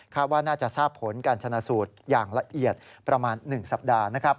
ว่าน่าจะทราบผลการชนะสูตรอย่างละเอียดประมาณ๑สัปดาห์นะครับ